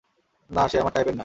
না, সে আমার টাইপের না।